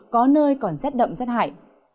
có nơi còn rét đậm rét hại